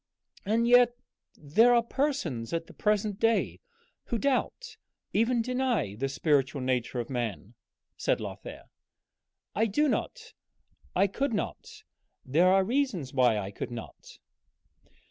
"And yet there are persons at the present day who doubt even deny the spiritual nature of man," said Lothair. "I do not, I could not there are reasons why I could not."